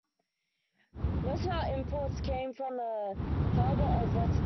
Most of our imports come from the harbor of Rotterdam.